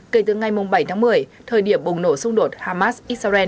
kể từ ngày bảy tháng một mươi thời điểm bùng nổ xung đột hamas israel